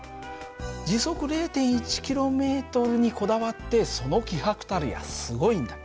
時速０．１ｋｍにこだわってその気迫たるやすごいんだ。